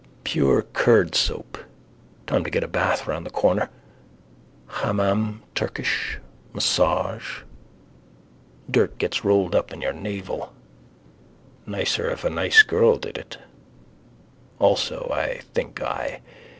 Pure curd soap. Time to get a bath round the corner. Hammam. Turkish. Massage. Dirt gets rolled up in your navel. Nicer if a nice girl did it. Also I think I.